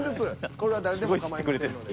これは誰でもかまいませんので。